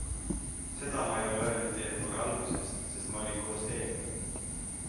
Seda ma ei ole öelnud teile kohe alguses, sest ma olin koos teiega.